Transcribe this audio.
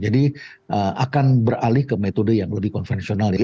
jadi akan beralih ke metode yang lebih konvensional